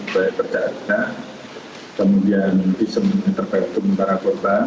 baik percaya kita kemudian isu interpretum para korban